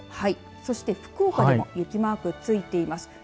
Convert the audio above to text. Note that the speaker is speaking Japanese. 福岡でも雪マークがついています。